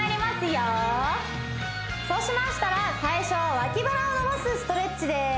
よそうしましたら最初は脇腹を伸ばすストレッチです